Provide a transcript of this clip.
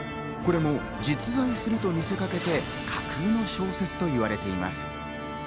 実在すると見せかけて、架空の小説と言われています。